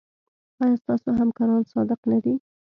ایا ستاسو همکاران صادق نه دي؟